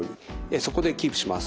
そこでキープします。